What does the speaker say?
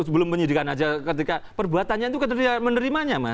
sebelum penyidikan aja ketika perbuatannya itu menerimanya mas